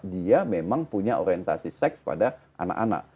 dia memang punya orientasi seks pada anak anak